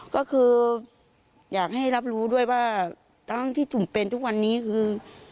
ก็คืออยากให้รับรู้ด้วยว่าทั้งที่จุ่มเป็นทุกวันนี้คือ